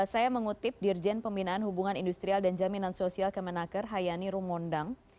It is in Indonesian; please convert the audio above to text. saya mengutip dirjen pembinaan hubungan industrial dan jaminan sosial kemenaker hayani rumondang